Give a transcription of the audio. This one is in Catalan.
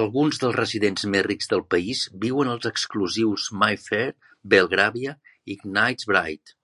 Alguns dels residents més rics del país viuen als exclusius Mayfair, Belgravia i Knightsbridge.